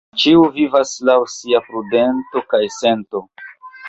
Ĉiu vivas laŭ sia prudento kaj sento.